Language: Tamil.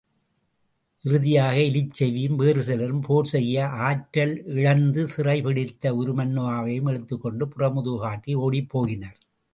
இறுதியாக எலிச்செவியும் வேறு சிலரும் போர் செய்ய ஆற்றலிழந்து, சிறைப்பிடித்த உருமண்ணுவாவையும் இழுத்துக்கொண்டு புறமுதுகுகாட்டி ஒடிப்போயினர்.